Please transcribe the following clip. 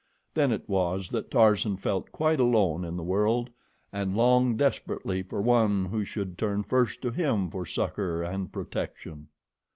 Then it was that Tarzan felt quite alone in the world and longed desperately for one who should turn first to him for succor and protection.